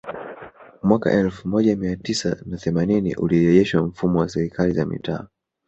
Mwaka elfu moja mia tisa na themanini ulirejeshwa mfumo wa Serikali za Mitaa